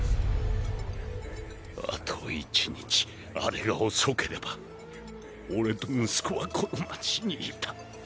あと１日あれが遅ければ俺と息子はこの街にいた。